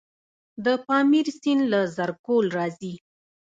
د پامیر سیند له زرکول راځي